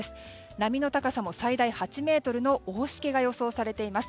波の高さも最大８ｍの大しけが予想されています。